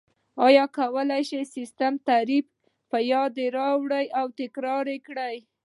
ایا کولای شئ د سیسټم تعریف په یاد راوړئ او تکرار یې کړئ؟